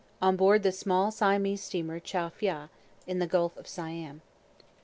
On board the small Siamese steamer Chow Phya, in the Gulf of Siam.